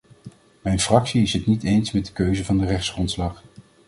Mijn fractie is het niet eens met de keuze van de rechtsgrondslag.